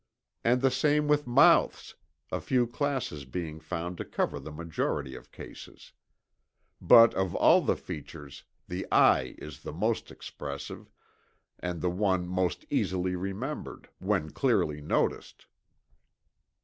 And the same with mouths, a few classes being found to cover the majority of cases. But of all the features, the eye is the most expressive, and the one most easily remembered, when clearly noticed.